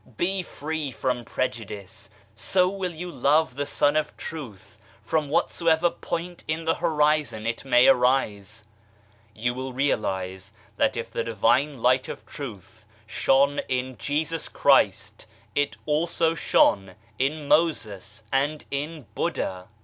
Be free from prejudice, so will you love the Sun of Truth from whatsoever point in the horizon it may arise ! You will realize that if the Divine Light of Truth shone in Jesus Christ it also shone in Moses and in Buddha.